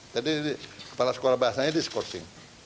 jadi kepala sekolah bahasanya diskursi